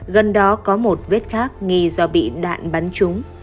gần đó có một vết khác nghi do bị đạn bắn trúng